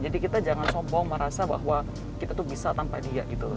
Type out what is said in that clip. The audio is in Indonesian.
jadi kita jangan sombong merasa bahwa kita tuh bisa tanpa dia gitu loh